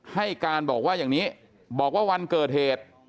ให้การบอกว่าวันเกิดเหตุ